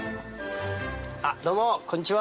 どうもこんにちは。